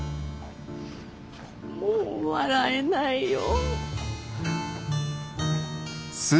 もう笑えないよ。